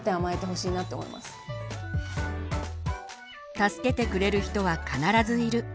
助けてくれる人は必ずいる。